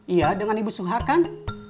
iya dengan ibu soehar kan